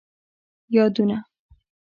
یادونه